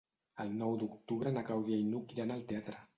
El nou d'octubre na Clàudia i n'Hug iran al teatre.